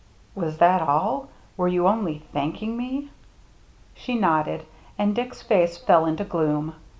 "Was that all? Were you only thanking me?" She nodded, and Dick's face fell into gloom.